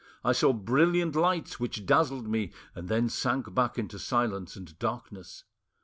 I saw brilliant lights which dazzled me, and then sank back into silence and darkness.